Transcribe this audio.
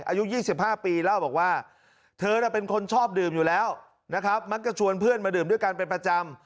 อายุ๒๕ปีเล่าบอกว่าเธอน่ะเป็นคนชอบดื่มอยู่แล้วนะครับมักจะชวนเพื่อนมาดื่มด้วยกันเป็นประจำ